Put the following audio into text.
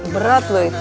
berat loh itu